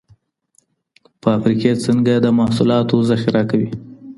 فابریکې څنګه د محصولاتو ذخیره کوي؟